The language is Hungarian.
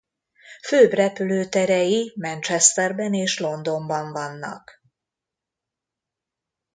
Főbb repülőterei Manchesterben és Londonban vannak.